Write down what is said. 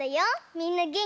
みんなげんき？